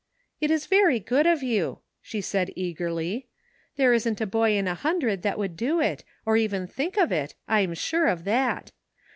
"It is very good of you," she said eagerly; "there isn't a boy in a hundred that would do it, or even think of it, I am sure of that.